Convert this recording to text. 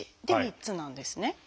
で３つなんですね。